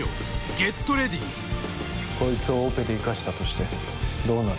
こいつをオペで生かしたとしてどうなる？